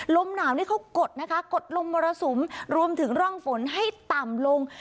ลมหนาวนี่เขากดนะคะกดลมมรสุมรวมถึงร่องฝนให้ต่ำลง